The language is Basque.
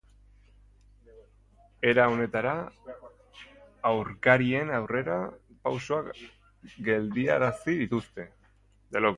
Era honetara aurkarien aurrera pausoak geldiarazi dituzte.